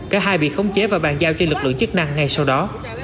cả hai bị khống chế và bàn giao cho lực lượng chức năng ngay sau đó